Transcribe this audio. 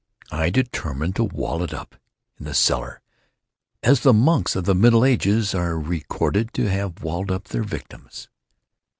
I determined to wall it up in the cellar—as the monks of the middle ages are recorded to have walled up their victims.